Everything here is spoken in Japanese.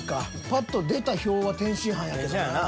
パッと出た票は天津飯やけどな。